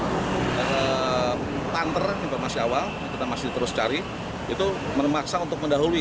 jadi tanpa tanter informasi awal kita masih terus cari itu memaksa untuk mendahului